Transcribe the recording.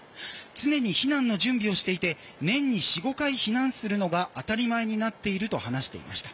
常に避難の準備をしていて年に４５回避難するのが当たり前になっていると話していました。